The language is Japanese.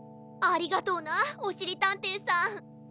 ありがとうなおしりたんていさん。